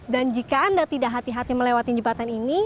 dan jika anda tidak hati hati melewati jembatan ini